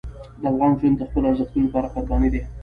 د افغان ژوند د خپلو ارزښتونو لپاره قرباني ده.